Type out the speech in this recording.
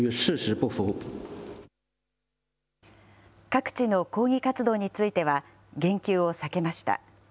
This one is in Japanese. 各地の抗議活動については、言及を避けました。